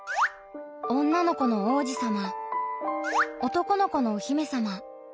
女の子の王子様男の子のお姫様。